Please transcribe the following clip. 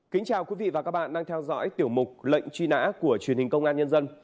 kính chào quý vị và các bạn đang theo dõi tiểu mục lệnh truy nã của truyền hình công an nhân dân